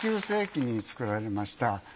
１９世紀に作られました